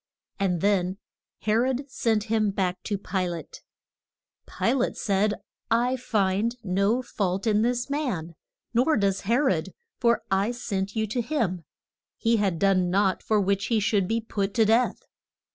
And then He rod sent him back to Pi late. Pi late said, I find no fault in this man; nor does He rod, for I sent you to him; he had done naught for which he should be put to death.